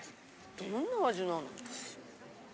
どんな味なの？